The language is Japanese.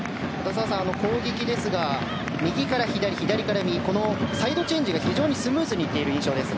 澤さん、攻撃ですが右から左、左から右このサイドチェンジが非常にスムーズにいっている印象です。